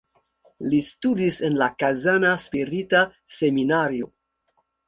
Li studis en la Kazana spirita seminario.